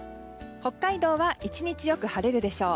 北海道は１日よく晴れるでしょう。